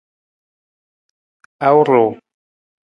Awur ruu?